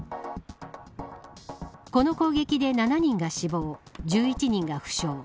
この攻撃で７人が死亡１１人が負傷。